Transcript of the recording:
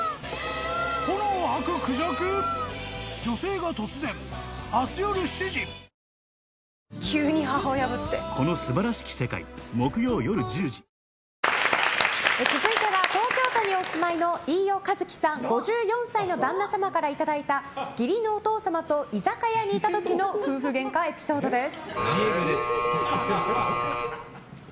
夏が香るアイスティー続いては、東京都にお住まいの飯尾和樹さん、５４歳の旦那様からいただいた義理のお父様と居酒屋にいた時の夫婦ゲンカエピソードです。